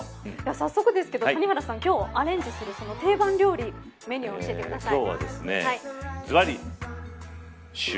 早速ですが谷原さん今日アレンジする定番料理メニューを教えてください。